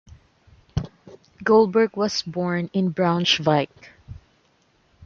Goldberg was born in Braunschweig.